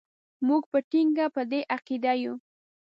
موږ په ټینګه په دې عقیده یو.